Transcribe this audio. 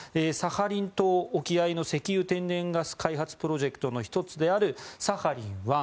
サハリン島沖合の石油天然ガス開発プロジェクトの１つであるサハリン